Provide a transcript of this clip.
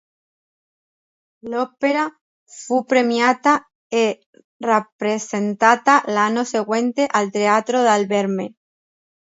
L'opera fu premiata e rappresentata l'anno seguente al Teatro Dal Verme.